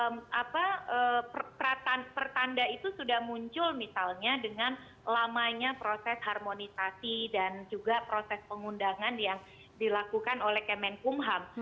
kemudian pertanda itu sudah muncul misalnya dengan lamanya proses harmonisasi dan juga proses pengundangan yang dilakukan oleh kemenkumham